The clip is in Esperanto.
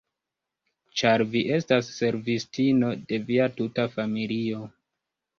Ĉar vi estas servistino de via tuta familio.